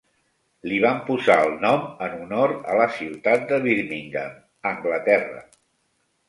Li van posar el nom en honor a la ciutat de Birmingham, Anglaterra.